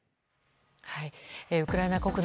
ウクライナ国内